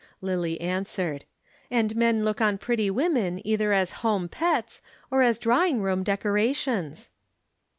Lillie answered, "And men look on pretty women either as home pets or as drawing room decorations."